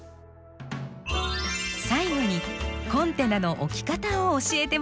最後にコンテナの置き方を教えてもらいましょう。